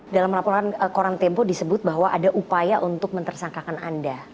dalam laporan koran tempo disebut bahwa ada upaya untuk mentersangkakan anda